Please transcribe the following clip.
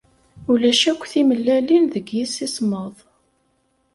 Ulac akk timellalin deg yimsismeḍ.